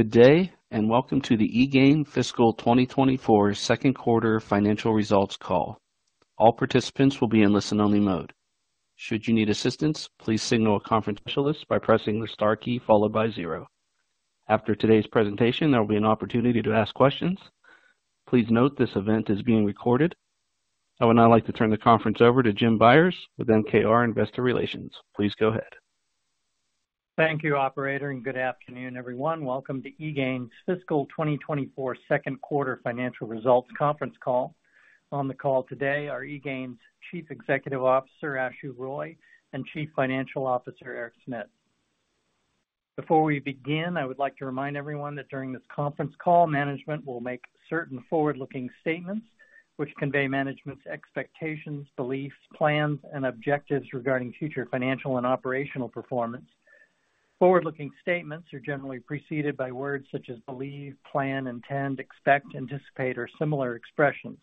Good day, and welcome to the eGain Fiscal 2024 Second Quarter Financial Results Call. All participants will be in listen-only mode. Should you need assistance, please signal a conference specialist by pressing the star key followed by zero. After today's presentation, there will be an opportunity to ask questions. Please note this event is being recorded. I would now like to turn the conference over to Jim Byers with MKR Investor Relations. Please go ahead. Thank you, operator, and good afternoon, everyone. Welcome to eGain's Fiscal 2024 Second Quarter Financial Results Conference Call. On the call today are eGain's Chief Executive Officer, Ashu Roy, and Chief Financial Officer, Eric Smit. Before we begin, I would like to remind everyone that during this conference call, management will make certain forward-looking statements which convey management's expectations, beliefs, plans, and objectives regarding future financial and operational performance. Forward-looking statements are generally preceded by words such as believe, plan, intend, expect, anticipate, or similar expressions.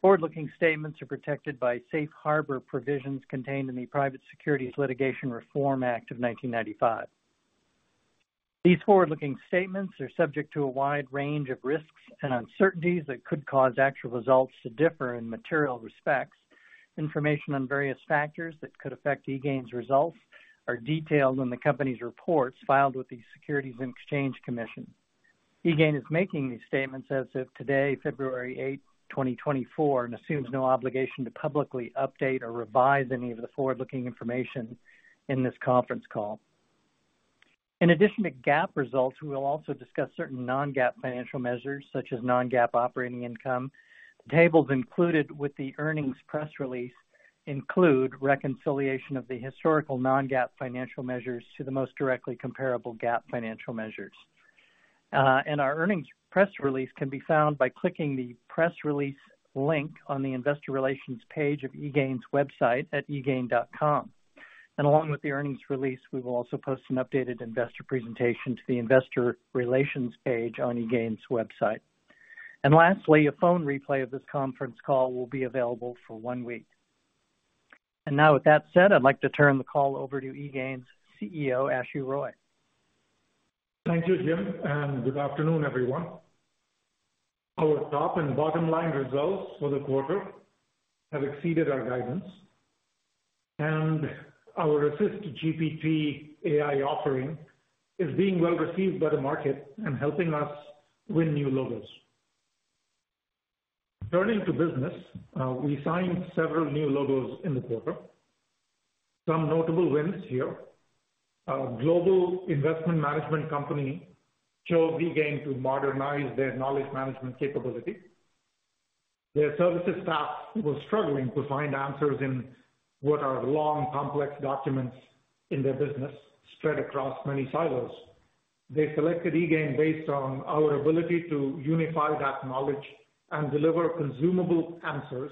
Forward-looking statements are protected by safe harbor provisions contained in the Private Securities Litigation Reform Act of 1995. These forward-looking statements are subject to a wide range of risks and uncertainties that could cause actual results to differ in material respects. Information on various factors that could affect eGain's results are detailed in the company's reports filed with the Securities and Exchange Commission. eGain is making these statements as of today, February 8th, 2024, and assumes no obligation to publicly update or revise any of the forward-looking information in this conference call. In addition to GAAP results, we will also discuss certain non-GAAP financial measures, such as non-GAAP operating income. Tables included with the earnings press release include reconciliation of the historical non-GAAP financial measures to the most directly comparable GAAP financial measures. Our earnings press release can be found by clicking the Press Release link on the Investor Relations page of eGain's website at egain.com. Along with the earnings release, we will also post an updated investor presentation to the Investor Relations page on eGain's website. Lastly, a phone replay of this conference call will be available for one week. Now, with that said, I'd like to turn the call over to eGain's CEO, Ashu Roy. Thank you, Jim, and good afternoon, everyone. Our top and bottom line results for the quarter have exceeded our guidance, and our AssistGPT AI offering is being well received by the market and helping us win new logos. Turning to business, we signed several new logos in the quarter. Some notable wins here. A global investment management company chose eGain to modernize their knowledge management capability. Their services staff was struggling to find answers in what are long, complex documents in their business, spread across many silos. They selected eGain based on our ability to unify that knowledge and deliver consumable answers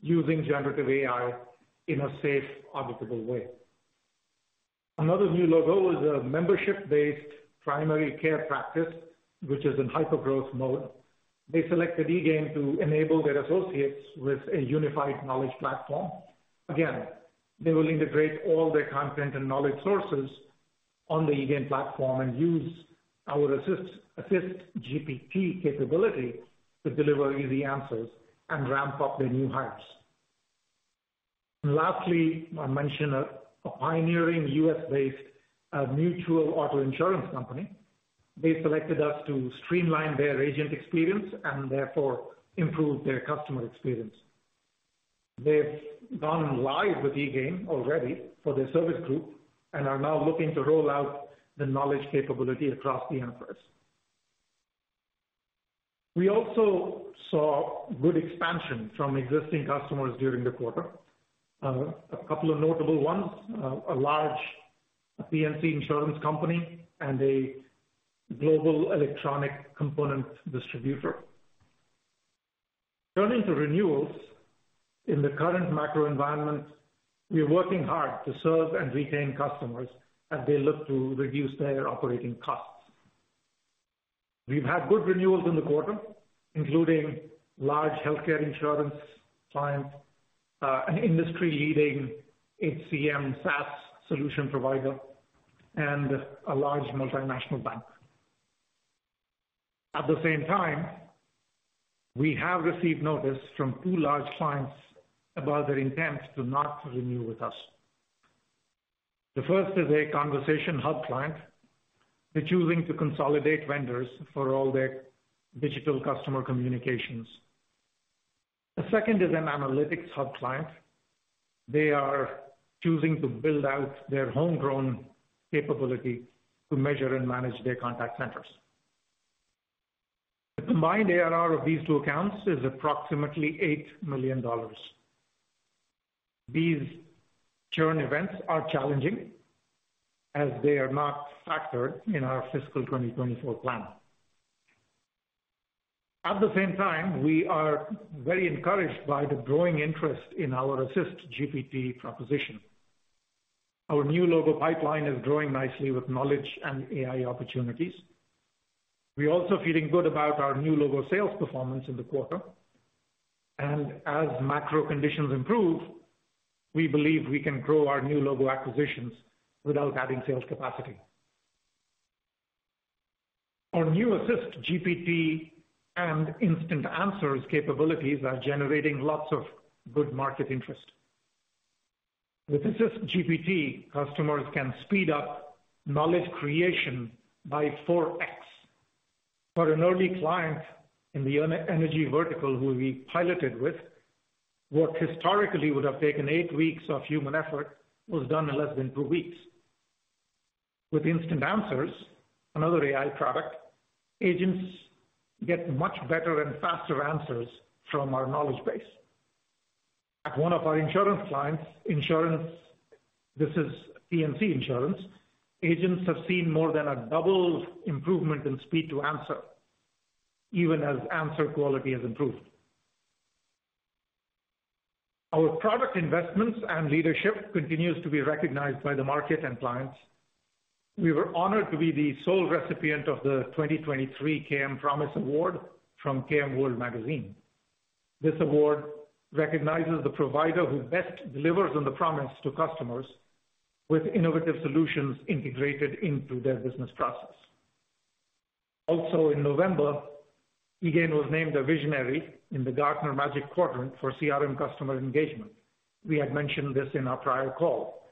using generative AI in a safe, auditable way. Another new logo is a membership-based primary care practice, which is in hypergrowth mode. They selected eGain to enable their associates with a unified knowledge platform. Again, they will integrate all their content and knowledge sources on the eGain platform and use our AssistGPT capability to deliver easy answers and ramp up their new hires. Lastly, I'll mention a pioneering U.S.-based mutual auto insurance company. They selected us to streamline their agent experience and therefore improve their customer experience. They've gone live with eGain already for their service group and are now looking to roll out the knowledge capability across the enterprise. We also saw good expansion from existing customers during the quarter. A couple of notable ones, a large P&C insurance company and a global electronic component distributor. Turning to renewals. In the current macro environment, we are working hard to serve and retain customers as they look to reduce their operating costs. We've had good renewals in the quarter, including large healthcare insurance clients, an industry-leading HCM SaaS solution provider, and a large multinational bank. At the same time, we have received notice from two large clients about their intent to not renew with us. The first is a Conversation Hub client. They're choosing to consolidate vendors for all their digital customer communications. The second is an Analytics Hub client. They are choosing to build out their homegrown capability to measure and manage their contact centers. The combined ARR of these two accounts is approximately $8 million. These churn events are challenging as they are not factored in our fiscal 2024 plan. At the same time, we are very encouraged by the growing interest in our AssistGPT proposition. Our new logo pipeline is growing nicely with knowledge and AI opportunities. We're also feeling good about our new logo sales performance in the quarter. And as macro conditions improve, we believe we can grow our new logo acquisitions without adding sales capacity. Our new AssistGPT and Instant Answers capabilities are generating lots of good market interest. With AssistGPT, customers can speed up knowledge creation by 4X. For an early client in the energy vertical who we piloted with, what historically would have taken eight weeks of human effort, was done in less than two weeks. With Instant Answers, another AI product, agents get much better and faster answers from our knowledge base. At one of our insurance clients, this is P&C insurance, agents have seen more than a double improvement in speed to answer, even as answer quality has improved. Our product investments and leadership continues to be recognized by the market and clients. We were honored to be the sole recipient of the 2023 KM Promise Award from KMWorld Magazine. This award recognizes the provider who best delivers on the promise to customers, with innovative solutions integrated into their business process. Also, in November, eGain was named a visionary in the Gartner Magic Quadrant for CRM customer engagement. We had mentioned this in our prior call,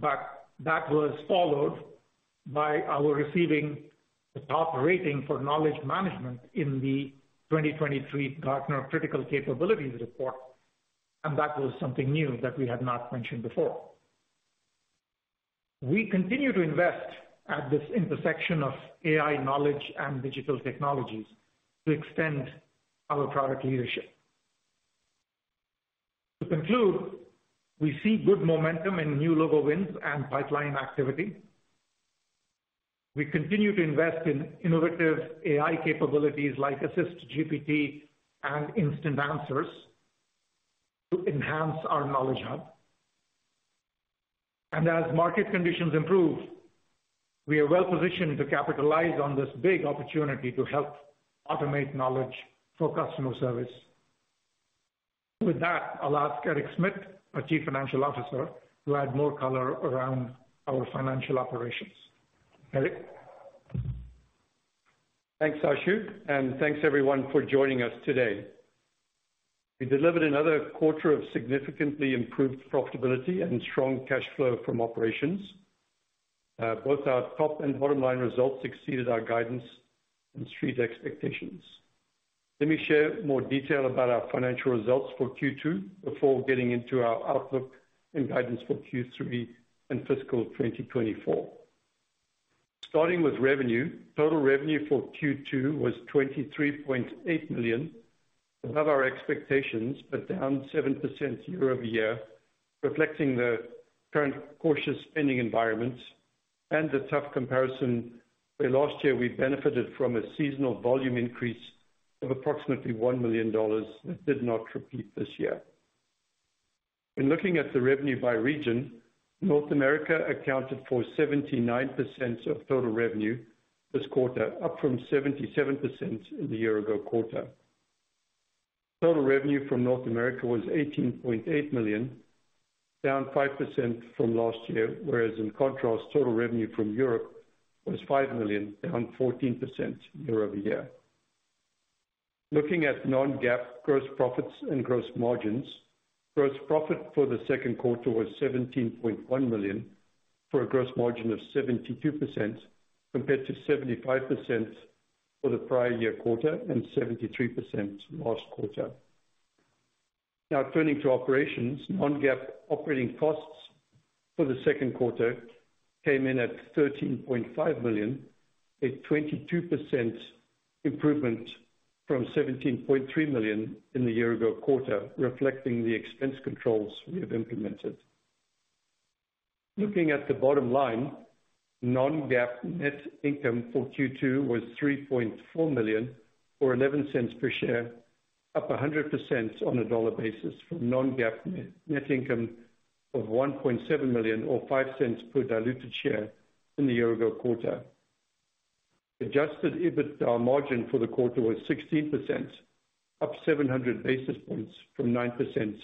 but that was followed by our receiving the top rating for knowledge management in the 2023 Gartner Critical Capabilities Report, and that was something new that we had not mentioned before. We continue to invest at this intersection of AI knowledge and digital technologies to extend our product leadership. To conclude, we see good momentum in new logo wins and pipeline activity. We continue to invest in innovative AI capabilities like AssistGPT and Instant Answers, to enhance our Knowledge Hub. As market conditions improve, we are well positioned to capitalize on this big opportunity to help automate knowledge for customer service. With that, I'll ask Eric Smit, our Chief Financial Officer, to add more color around our financial operations. Eric? Thanks, Ashu, and thanks everyone for joining us today. We delivered another quarter of significantly improved profitability and strong cash flow from operations. Both our top and bottom line results exceeded our guidance and Street expectations. Let me share more detail about our financial results for Q2, before getting into our outlook and guidance for Q3 and fiscal 2024. Starting with revenue, total revenue for Q2 was $23.8 million, above our expectations, but down 7% year-over-year, reflecting the current cautious spending environment and the tough comparison, where last year we benefited from a seasonal volume increase of approximately $1 million, that did not repeat this year. In looking at the revenue by region, North America accounted for 79% of total revenue this quarter, up from 77% in the year ago quarter. Total revenue from North America was $18.8 million, down 5% from last year, whereas in contrast, total revenue from Europe was $5 million, down 14% year-over-year. Looking at non-GAAP gross profits and gross margins, gross profit for the second quarter was $17.1 million, for a gross margin of 72%, compared to 75% for the prior year quarter and 73% last quarter. Now, turning to operations. Non-GAAP operating costs for the second quarter came in at $13.5 million, a 22% improvement from $17.3 million in the year ago quarter, reflecting the expense controls we have implemented. Looking at the bottom line, non-GAAP net income for Q2 was $3.4 million, or $0.11 per share, up 100% on a dollar basis from non-GAAP net income of $1.7 million, or $0.05 per diluted share in the year ago quarter. Adjusted EBITDA margin for the quarter was 16%, up 700 basis points from 9%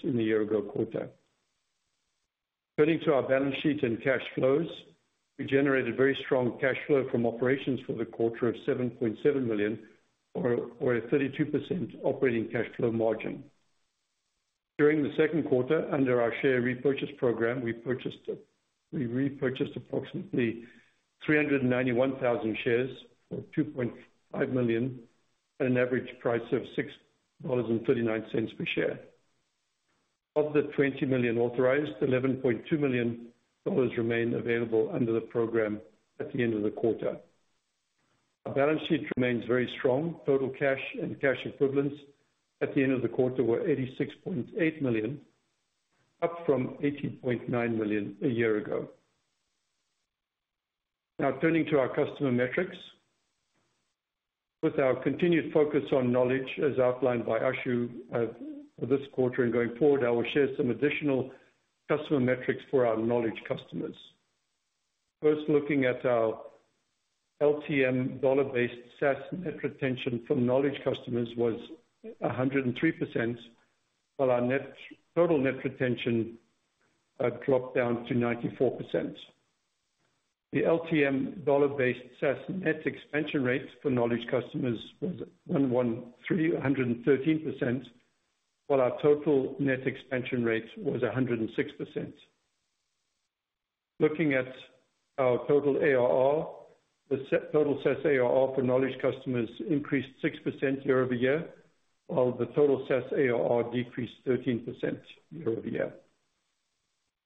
in the year ago quarter. Turning to our balance sheet and cash flows, we generated very strong cash flow from operations for the quarter of $7.7 million, or a 32% operating cash flow margin. During the second quarter, under our share repurchase program, we purchased we repurchased approximately 391,000 shares, or $2.5 million, at an average price of $6.39 per share. Of the 20 million authorized, $11.2 million remain available under the program at the end of the quarter. Our balance sheet remains very strong. Total cash and cash equivalents at the end of the quarter were $86.8 million, up from $80.9 million a year ago. Now, turning to our customer metrics. With our continued focus on knowledge, as outlined by Ashu, for this quarter and going forward, I will share some additional customer metrics for our knowledge customers. First, looking at our LTM dollar-based SaaS net retention from knowledge customers was 103%, while our net total net retention dropped down to 94%. The LTM dollar-based SaaS net expansion rate for knowledge customers was 113%, while our total net expansion rate was 106%. Looking at our total ARR, the total SaaS ARR for knowledge customers increased 6% year-over-year, while the total SaaS ARR decreased 13% year-over-year.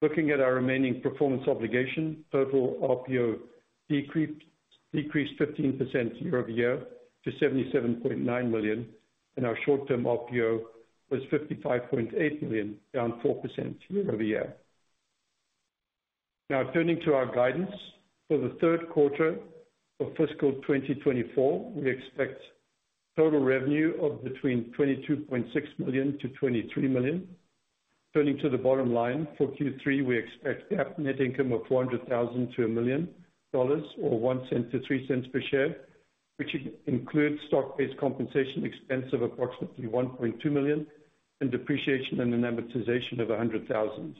Looking at our remaining performance obligation, total RPO decreased 15% year-over-year to $77.9 million, and our short-term RPO was $55.8 million, down 4% year-over-year. Now, turning to our guidance. For the third quarter of fiscal 2024, we expect total revenue of between $22.6 million-$23 million. Turning to the bottom line for Q3, we expect GAAP net income of $400,000-$1 million, or $0.01-$0.03 per share, which includes stock-based compensation expense of approximately $1.2 million, and depreciation and amortization of $100,000.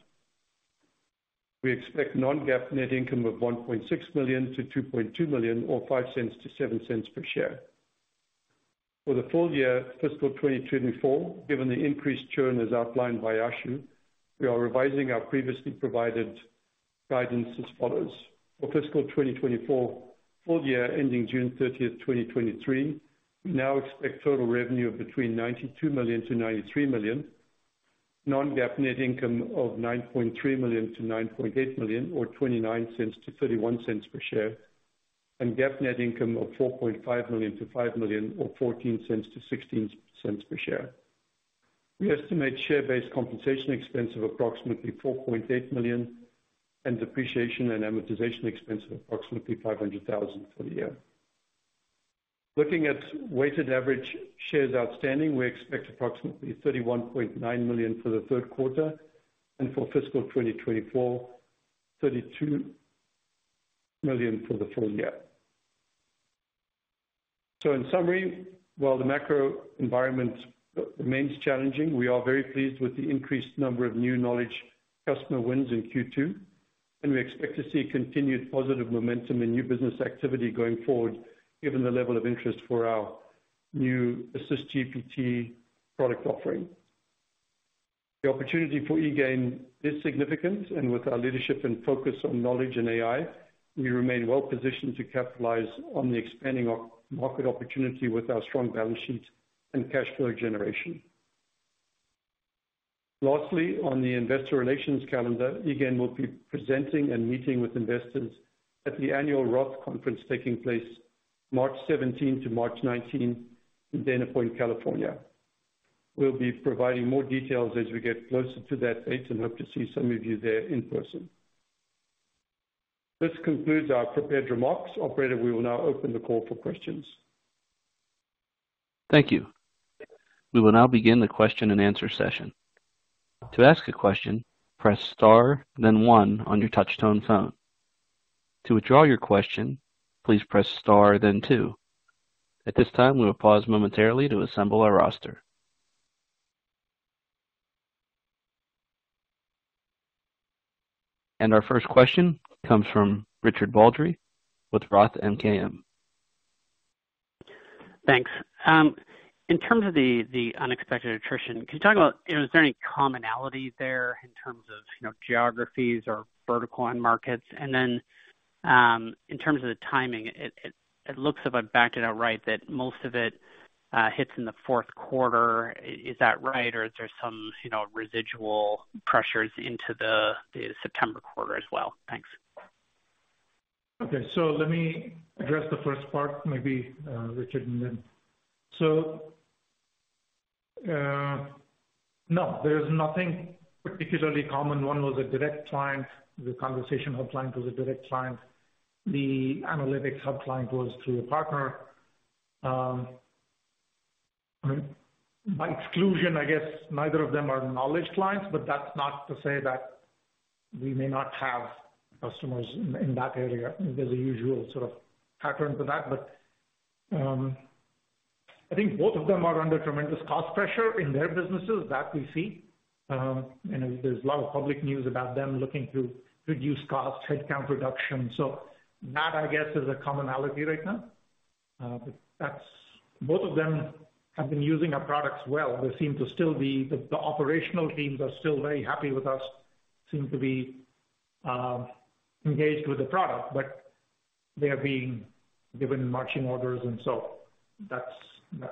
We expect non-GAAP net income of $1.6 million-$2.2 million, or $0.05-$0.07 per share. For the full year fiscal 2024, given the increased churn as outlined by Ashu, we are revising our previously provided guidance as follows: For fiscal 2024, full year ending June 30th, 2023, we now expect total revenue of between $92 million-$93 million, non-GAAP net income of $9.3 million-$9.8 million, or $0.29-$0.31 per share, and GAAP net income of $4.5 million-$5 million, or $0.14-$0.16 per share. We estimate share-based compensation expense of approximately $4.8 million, and depreciation and amortization expense of approximately $500,000 for the year. Looking at weighted average shares outstanding, we expect approximately 31.9 million for the third quarter, and for fiscal 2024, 32 million for the full year. So in summary, while the macro environment remains challenging, we are very pleased with the increased number of new knowledge customer wins in Q2, and we expect to see continued positive momentum in new business activity going forward, given the level of interest for our new AssistGPT product offering. The opportunity for eGain is significant, and with our leadership and focus on knowledge and AI, we remain well positioned to capitalize on the expanding of market opportunity with our strong balance sheet and cash flow generation. Lastly, on the Investor Relations calendar, eGain will be presenting and meeting with investors at the annual Roth conference, taking place March 17th to March 19th, in Dana Point, California. We'll be providing more details as we get closer to that date and hope to see some of you there in person. This concludes our prepared remarks. Operator, we will now open the call for questions. Thank you. We will now begin the question-and-answer session. To ask a question, press star, then one on your touch tone phone. To withdraw your question, please press star, then two. At this time, we will pause momentarily to assemble our roster. Our first question comes from Richard Baldry with Roth MKM. Thanks. In terms of the unexpected attrition, can you talk about, you know, is there any commonality there in terms of, you know, geographies or vertical end markets? And then, in terms of the timing, it looks, if I backed it out right, that most of it hits in the fourth quarter. Is that right, or is there some, you know, residual pressures into the September quarter as well? Thanks. Okay. So let me address the first part, maybe, Richard, and then. So, no, there's nothing particularly common. One was a direct client. The Conversation Hub client was a direct client. The Analytics Hub client was through a partner. By exclusion, I guess neither of them are knowledge clients, but that's not to say that we may not have customers in that area. There's a usual sort of pattern to that, but I think both of them are under tremendous cost pressure in their businesses. That we see. And there's a lot of public news about them looking to reduce costs, headcount reduction. So that, I guess, is a commonality right now. But that's, both of them have been using our products well. They seem to still be... The operational teams are still very happy with us, seem to be engaged with the product, but they are being given marching orders, and so that's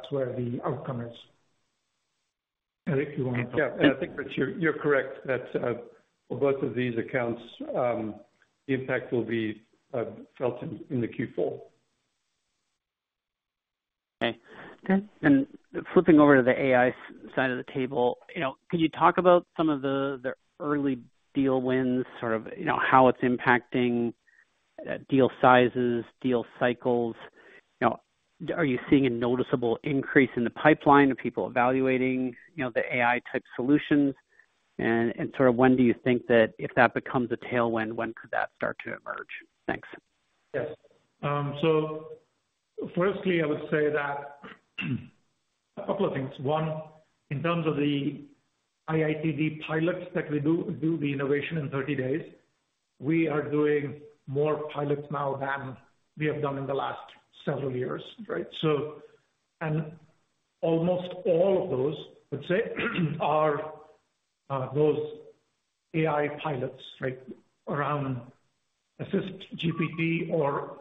where the outcome is. Eric, you wanna talk? Yeah. I think, Richard, you're correct that, for both of these accounts, the impact will be felt in the Q4. Okay. Then flipping over to the AI side of the table, you know, can you talk about some of the early deal wins, sort of, you know, how it's impacting deal sizes, deal cycles? You know, are you seeing a noticeable increase in the pipeline of people evaluating, you know, the AI-type solutions? And sort of when do you think that if that becomes a tailwind, when could that start to emerge? Thanks. Yes. So firstly, I would say that, a couple of things. One, in terms of the IITD pilots that we do, the Innovation in 30 Days, we are doing more pilots now than we have done in the last several years, right? So, and almost all of those, let's say, are those AI pilots, right, around AssistGPT or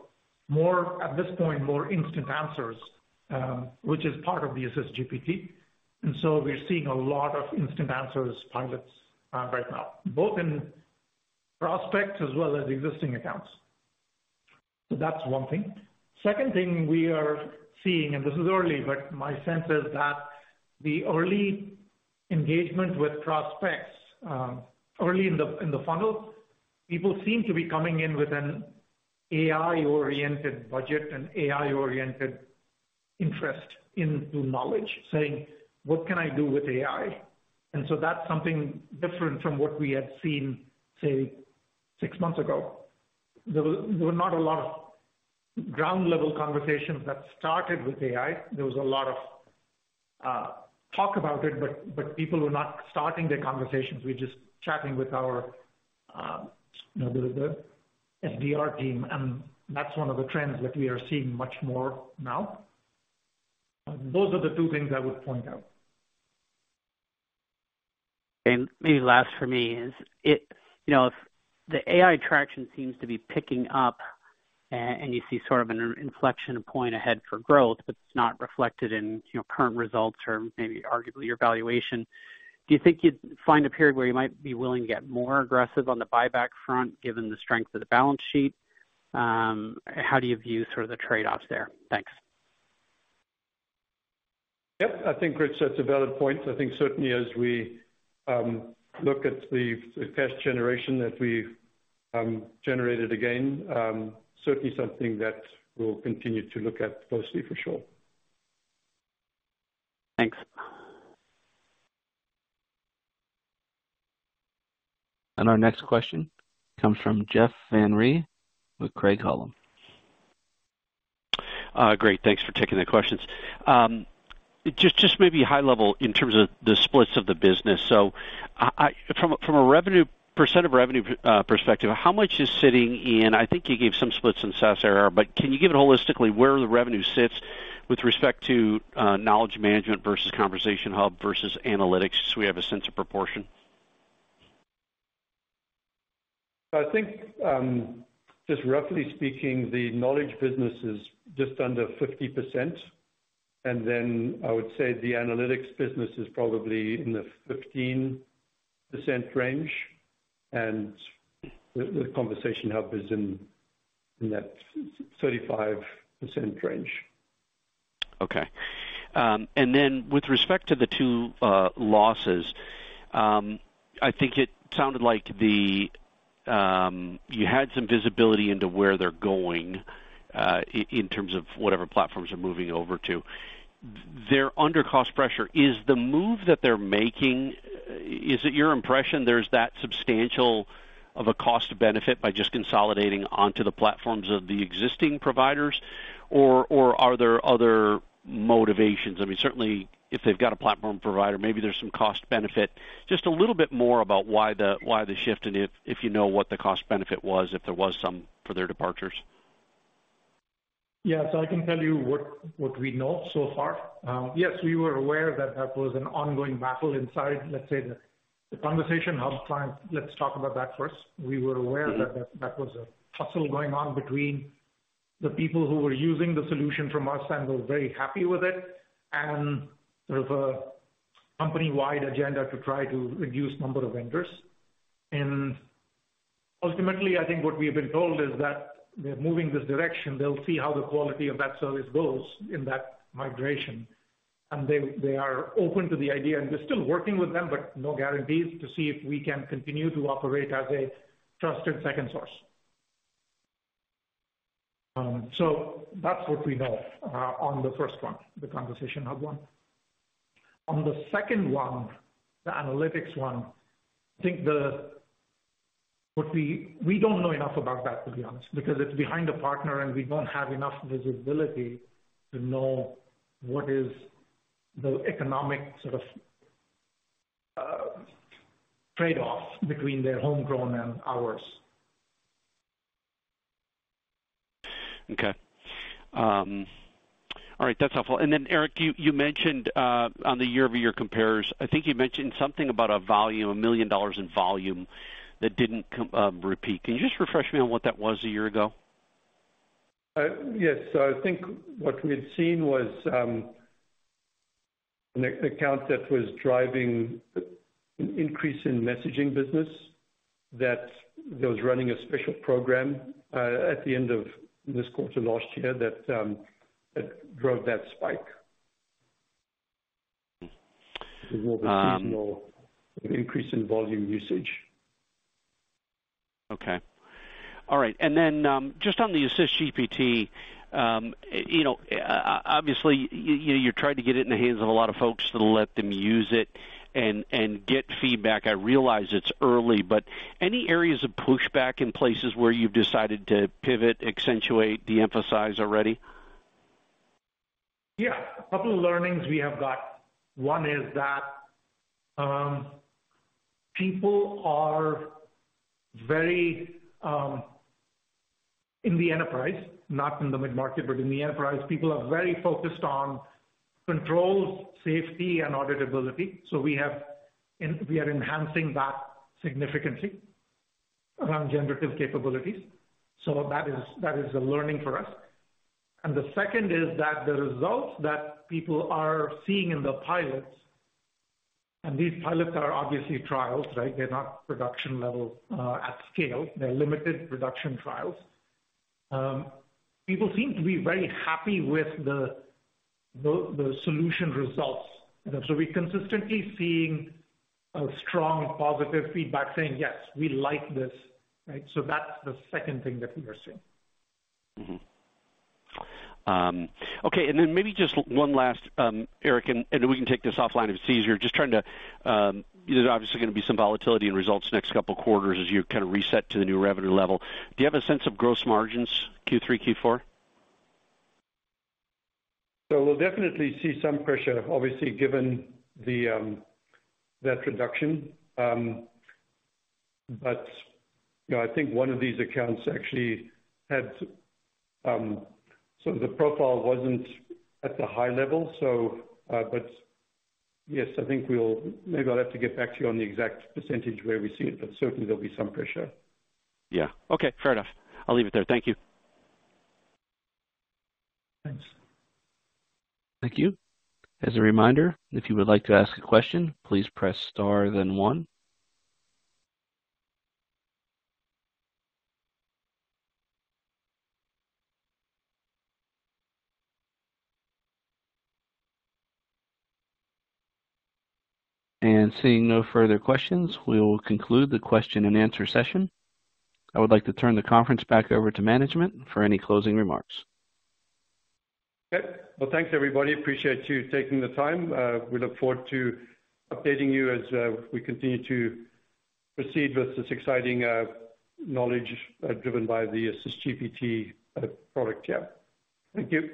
more, at this point, more Instant Answers, which is part of the AssistGPT. And so we're seeing a lot of Instant Answers pilots right now, both in prospects as well as existing accounts. So that's one thing. Second thing we are seeing, and this is early, but my sense is that the early engagement with prospects early in the funnel, people seem to be coming in with an AI-oriented budget and AI-oriented interest into knowledge, saying: What can I do with AI? So that's something different from what we had seen, say, six months ago. There were not a lot of ground-level conversations that started with AI. There was a lot of talk about it, but people were not starting their conversations. We're just chatting with our, you know, the SDR team, and that's one of the trends that we are seeing much more now. Those are the two things I would point out. And maybe last for me is, it, you know, if the AI traction seems to be picking up and, and you see sort of an inflection point ahead for growth, but it's not reflected in, you know, current results or maybe arguably your valuation, do you think you'd find a period where you might be willing to get more aggressive on the buyback front, given the strength of the balance sheet? How do you view sort of the trade-offs there? Thanks. Yep, I think, Rich, that's a valid point. I think certainly as we look at the cash generation that we've generated again, certainly something that we'll continue to look at closely for sure. Thanks. Our next question comes from Jeff Van Rhee with Craig-Hallum. Great, thanks for taking the questions. Just, just maybe high level in terms of the splits of the business. So I, I, from a, from a revenue percent of revenue perspective, how much is sitting in... I think you gave some splits in SaaS ARR, but can you give it holistically, where the revenue sits with respect to knowledge management versus Conversation Hub versus analytics, so we have a sense of proportion? I think, just roughly speaking, the knowledge business is just under 50%, and then I would say the analytics business is probably in the 15% range, and the Conversation Hub is in, in that 35% range. Okay. And then with respect to the two losses, I think it sounded like you had some visibility into where they're going, in terms of whatever platforms they are moving over to. They're under cost pressure. Is the move that they're making, is it your impression there's that substantial of a cost benefit by just consolidating onto the platforms of the existing providers? Or, are there other motivations? I mean, certainly if they've got a platform provider, maybe there's some cost benefit. Just a little bit more about why the shift, and if you know what the cost benefit was, if there was some for their departures. Yes, I can tell you what we know so far. Yes, we were aware that was an ongoing battle inside, let's say, the Conversation Hub client. Let's talk about that first. Mm-hmm. We were aware that that was a tussle going on between the people who were using the solution from us and were very happy with it, and there was a company-wide agenda to try to reduce number of vendors. And ultimately, I think what we have been told is that they're moving this direction. They'll see how the quality of that service goes in that migration, and they, they are open to the idea, and we're still working with them, but no guarantees to see if we can continue to operate as a trusted second source. So that's what we know on the first one, the Conversation Hub one. On the second one, the Analytics one, I think what we... We don't know enough about that, to be honest, because it's behind a partner, and we don't have enough visibility to know what is the economic sort of, trade-off between their homegrown and ours. Okay. All right. That's helpful. And then, Eric, you mentioned on the year-over-year compares, I think you mentioned something about a volume, $1 million in volume that didn't repeat. Can you just refresh me on what that was a year ago? Yes. So I think what we had seen was, an account that was driving an increase in messaging business, that there was running a special program, at the end of this quarter last year, that, drove that spike. An increase in volume usage. ... Okay. All right, and then, just on the AssistGPT, you know, obviously, you're trying to get it in the hands of a lot of folks that'll let them use it and get feedback. I realize it's early, but any areas of pushback in places where you've decided to pivot, accentuate, de-emphasize already? Yeah. A couple of learnings we have got. One is that people are very in the enterprise, not in the mid-market, but in the enterprise, people are very focused on controls, safety, and auditability. So we have, and we are enhancing that significantly around generative capabilities. So that is a learning for us. And the second is that the results that people are seeing in the pilots, and these pilots are obviously trials, right? They're not production level at scale. They're limited production trials. People seem to be very happy with the solution results. So we're consistently seeing a strong positive feedback saying, "Yes, we like this," right? So that's the second thing that we are seeing. Mm-hmm. Okay, and then maybe just one last, Eric, and, and we can take this offline if it's easier. Just trying to, there's obviously gonna be some volatility in results next couple quarters as you kind of reset to the new revenue level. Do you have a sense of gross margins, Q3, Q4? We'll definitely see some pressure, obviously, given that reduction. But, you know, I think one of these accounts actually had so the profile wasn't at the high level, so but yes, I think we'll, maybe I'll have to get back to you on the exact percentage where we see it, but certainly there'll be some pressure. Yeah. Okay, fair enough. I'll leave it there. Thank you. Thanks. Thank you. As a reminder, if you would like to ask a question, please press star then one. Seeing no further questions, we will conclude the question-and-answer session. I would like to turn the conference back over to management for any closing remarks. Okay. Well, thanks, everybody. Appreciate you taking the time. We look forward to updating you as we continue to proceed with this exciting knowledge driven by the AssistGPT product. Yeah. Thank you.